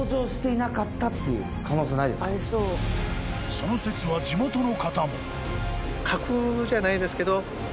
［その説は地元の方も］